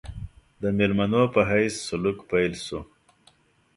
د مېلمنو په حیث سلوک پیل شو.